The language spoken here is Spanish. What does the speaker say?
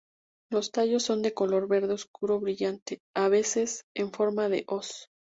Los tallos son de color verde oscuro brillante, a veces, en forma de hoz.